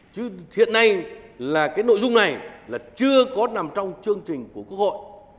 chứ hiện nay là cái nội dung này là chưa có nằm trong chương trình của quốc hội